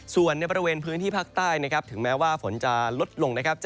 ส่วนในบริเวณพื้นที่ภาคใต้ถึงแม้ว่าฝนจะลดลง